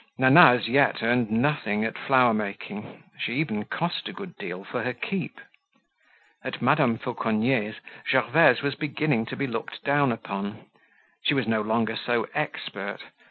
Nana as yet earned nothing at flower making; she even cost a good deal for her keep. At Madame Fauconnier's Gervaise was beginning to be looked down upon. She was no longer so expert.